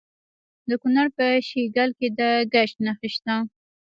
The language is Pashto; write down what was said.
د کونړ په شیګل کې د ګچ نښې شته.